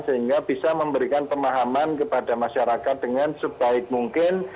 sehingga bisa memberikan pemahaman kepada masyarakat dengan sebaik mungkin